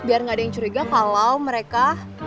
biar gak ada yang curiga kalo mereka